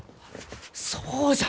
そうじゃ！